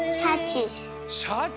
シャチ。